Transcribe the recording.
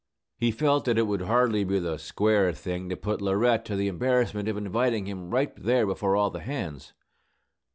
He felt that it would hardly be the "square thing" to put Laurette to the embarrassment of inviting him right there before all the hands.